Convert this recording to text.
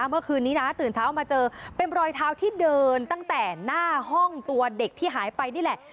เมื่อคืนนี้นะตื่นเช้ามาเจอเป็นรอยเท้าที่เดินตั้งแต่หน้าห้องตัวเด็กที่หายไปนี่แหละ